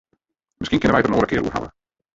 Miskien kinne wy it der in oare kear oer hawwe.